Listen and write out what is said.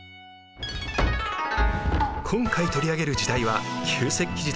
今回取り上げる時代は旧石器時代から縄文時代。